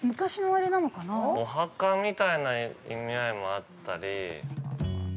◆お墓みたいな意味合いもあったり◆